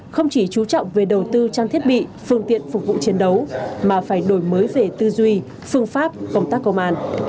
không chỉ trú trọng về đầu tư trang thiết bị phương tiện phục vụ chiến đấu mà phải đổi mới về tư duy phương pháp công tác công an